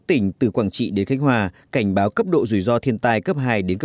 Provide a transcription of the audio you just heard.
tại cấp hai đến cấp ba